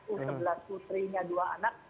oh sebelas putrinya dua anak